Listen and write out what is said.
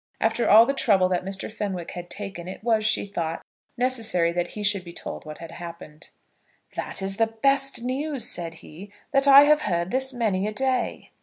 After all the trouble that Mr. Fenwick had taken, it was, she thought, necessary that he should be told what had happened. "That is the best news," said he, "that I have heard this many a day."